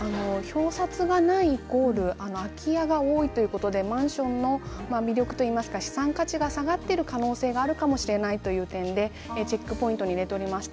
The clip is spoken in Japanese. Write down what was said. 表札がないと空き家が多いということでマンションの魅力というか資産価値が下がっている可能性があるかもしれないという点でチェックポイントに入れています。